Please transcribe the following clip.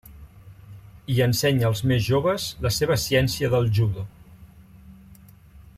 Hi ensenya als més joves la seva ciència del Judo.